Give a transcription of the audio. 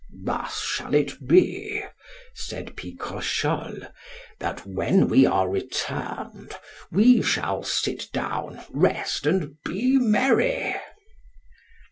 Thus it shall be, said Picrochole, that when we are returned we shall sit down, rest, and be merry.